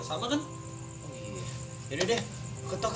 yaudah deh ketok kah